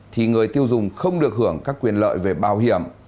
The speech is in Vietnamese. thì người tiêu dùng không được hưởng các quyền lợi về bảo hiểm